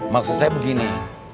maksud saya begini